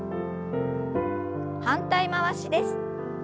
反対回しです。